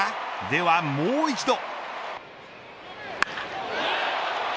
ではもう一度。